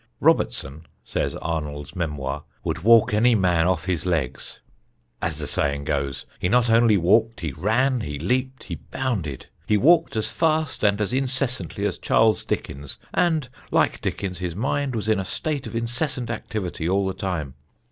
Robertson, says Arnold's memoir, "would walk any man 'off his legs,' as the saying goes. He not only walked; he ran, he leaped, he bounded. He walked as fast and as incessantly as Charles Dickens, and, like Dickens, his mind was in a state of incessant activity all the time.